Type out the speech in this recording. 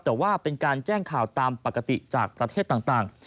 แต่ว่าเป็นการแจ้งข่าวตามปกติจากประเทศต่าง